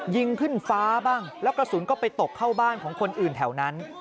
ยิงขึ้นฟ้าบ้างแล้วกระสุนก็ไปตกเข้าบ้านของคนอื่นแถวนั้น